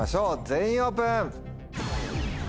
全員オープン！